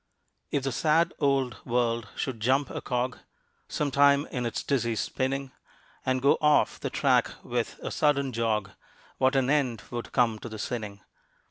If the sad old world should jump a cog Sometime, in its dizzy spinning, And go off the track with a sudden jog, What an end would come to the sinning.